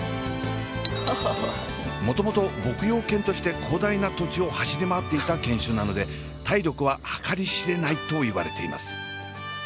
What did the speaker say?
もともと牧羊犬として広大な土地を走り回っていた犬種なので体力は計り知れないといわれています。